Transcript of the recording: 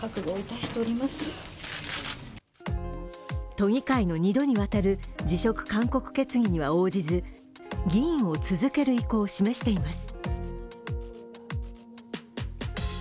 都議会の二度にわたる辞職勧告決議には応じず議員を続ける意向を示しています。